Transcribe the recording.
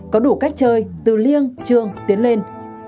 có đủ cách chơi từ liêng trường tiến lên